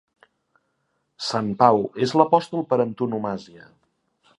Sant Pau és l'apòstol per antonomàsia.